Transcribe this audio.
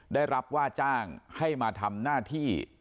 ได้รับว่าจ้างให้มาทำหน้าที่